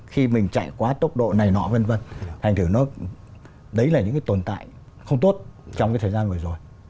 khi mình chạy quá tốc độ này nọ vân vân thành thử nó đấy là những cái tồn tại không tốt trong cái thời gian vừa rồi